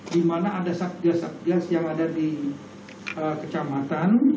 di mana ada satgas satgas yang ada di kecamatan